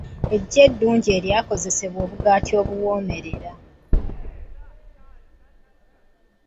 Eggi eddungi ery'akozesebwa obugaati obuwoomerera.